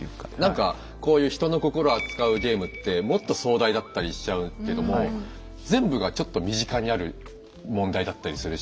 なんかこういう人の心を扱うゲームってもっと壮大だったりしちゃうけども全部がちょっと身近にある問題だったりするし。